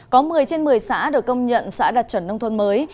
có một mươi trên một mươi xã được công nhận xã đạt chuẩn nông thôn mới